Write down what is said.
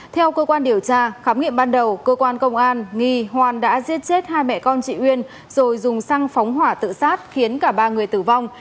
theo cơ quan điều tra khám nghiệm ban đầu cơ quan công an nghi hoan đã giết chết hai mẹ con chị uyên rồi dùng xăng phóng hỏa tự sát khiến cả ba người tử vong